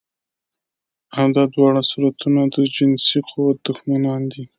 او دا دواړه صورتونه د جنسي قوت دښمنان دي